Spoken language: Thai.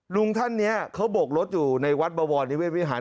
ลุงท่านนี้เขาบกรถอยู่ในวัดบวรนิเศษวิหาร